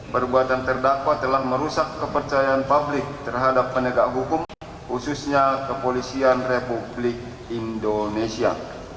perbuatan terdakwa telah merusak kepercayaan publik terhadap penegak hukum khususnya kepolisian republik indonesia